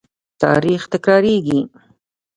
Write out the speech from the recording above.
تاریخ تکراریږي